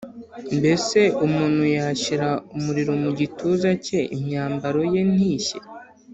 mbese umuntu yashyira umuriro mu gituza cye, imyambaro ye ntishye’